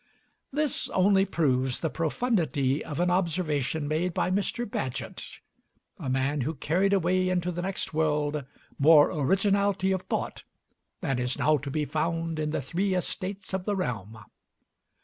This only proves the profundity of an observation made by Mr. Bagehot a man who carried away into the next world more originality of thought than is now to be found in the Three Estates of the Realm.